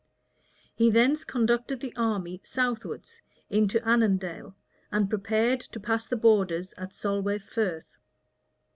[*] He thence conducted the army southwards into Annandale, and prepared to pass the borders at Solway Frith.